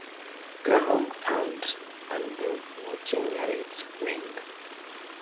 Graham turned, and the watching lights waned.